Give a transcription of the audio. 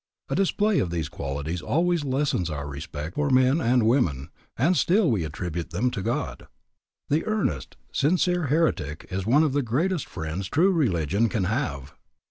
A display of these qualities always lessens our respect for men and women, and still we attribute them to God. The earnest, sincere heretic is one of the greatest friends true religion can have.